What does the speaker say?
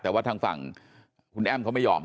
แต่ว่าทางฝั่งคุณแอ้มเขาไม่ยอม